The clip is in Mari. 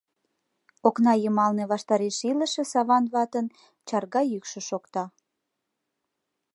Окна йымалне ваштареш илыше Саван ватын чарга йӱкшӧ шокта: